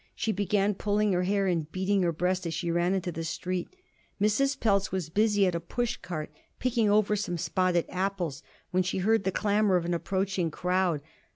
She began pulling her hair and beating her breast as she ran into the street. Mrs. Pelz was busy at a push cart, picking over some spotted apples, when she heard the clamor of an approaching crowd.